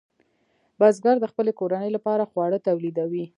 بزګر د خپلې کورنۍ لپاره خواړه تولیدوي.